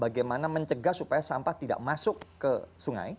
bagaimana mencegah supaya sampah tidak masuk ke sungai